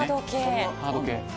ハード系。